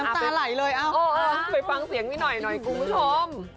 น้ำตาไหลเลยเอาเออไปฟังเสียงนี่หน่อยหน่อยครอง